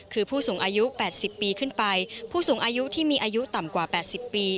คือผู้สูงอายุ๘๐ปีขึ้นไปผู้สูงอายุที่มีอายุต่ำกว่า๘๐ปี